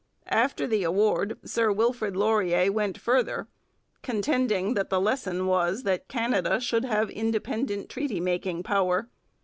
After the award Sir Wilfrid Laurier went further, contending that the lesson was that Canada should have independent treaty making power.